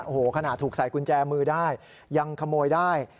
โอ้โหขนาดถูกใส่กุญแจมือได้ยังขโมยได้